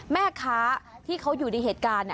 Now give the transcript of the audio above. แม่ค้าที่เขาอยู่ในเหตุการณ์